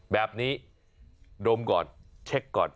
แบบนี้ดมก่อนเช็คก่อน